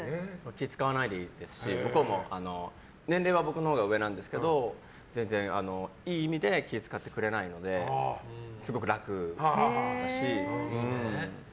気を使わないでいいですし向こうも年齢は僕のほうが上なんですけど全然、いい意味で気を使ってくれないのですごく楽だし。